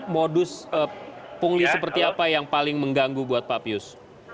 modus pungli seperti apa yang paling mengganggu buat papius